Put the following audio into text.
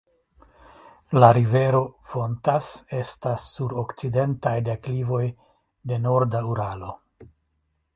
La rivero fontas estas sur okcidentaj deklivoj de Norda Uralo.